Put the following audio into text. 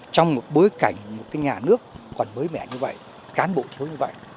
trong một bối cảnh một nhà nước còn mới mẻ như vậy cán bộ thiếu như vậy